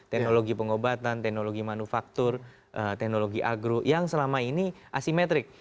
teknologi pengobatan teknologi manufaktur teknologi agro yang selama ini asimetrik